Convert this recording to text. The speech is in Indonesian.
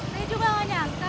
saya juga gak nyangka